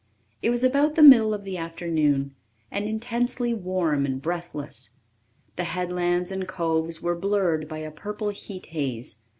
It was about the middle of the afternoon, and intensely warm and breathless. The headlands and coves were blurred by a purple heat haze.